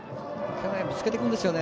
ぶつけてくるんですよね。